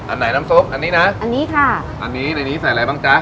อันไหนน้ำซุปอันนี้นะอันนี้ค่ะอันนี้ในนี้ใส่อะไรบ้างจ๊ะ